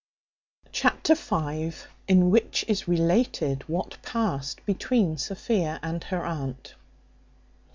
Chapter v. In which is related what passed between Sophia and her aunt.